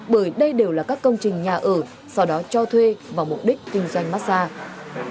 bởi đây đều là các công trình nhà ở sau đó cho thuê vào mục đích kinh doanh massage